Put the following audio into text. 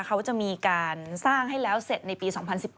เขาจะมีการสร้างให้แล้วเสร็จในปี๒๐๑๘